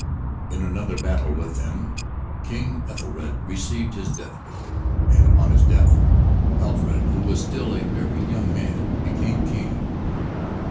In another battle with them King Ethelred received his death blow, and upon his death, Alfred, who was still a very young man, became king.